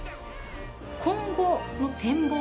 今後の展望